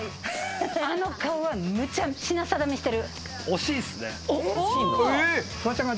あの顔はむちゃ品定めしてる。